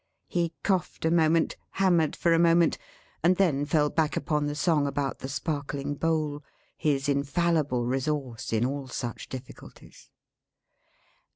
He coughed a moment, hammered for a moment, and then fell back upon the song about the Sparkling Bowl; his infallible resource in all such difficulties.